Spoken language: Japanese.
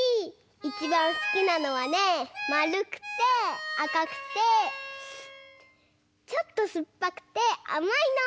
いちばんすきなのはねまるくてあかくてちょっとすっぱくてあまいの。